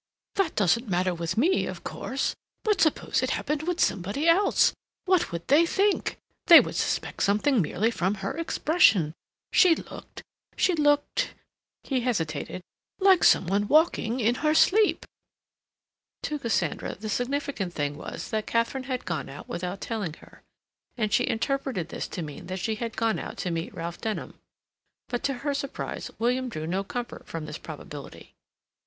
"That doesn't matter with me, of course, but suppose it happened with somebody else? What would they think? They would suspect something merely from her expression. She looked—she looked"—he hesitated—"like some one walking in her sleep." To Cassandra the significant thing was that Katharine had gone out without telling her, and she interpreted this to mean that she had gone out to meet Ralph Denham. But to her surprise William drew no comfort from this probability.